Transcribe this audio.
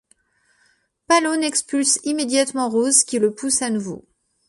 Pallone expulse immédiatement Rose, qui le pousse à nouveau.